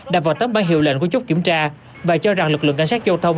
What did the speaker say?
đạp vào tấm bán hiệu lệnh của chốt kiểm tra và cho rằng lực lượng cảnh sát giao thông